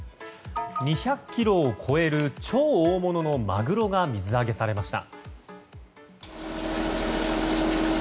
２００ｋｇを超える超大物のマグロが水揚げされました。